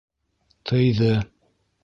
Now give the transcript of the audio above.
Тыйҙы.